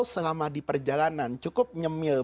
selama di perjalanan cukup nyemil